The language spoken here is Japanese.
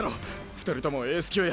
２人ともエース級や！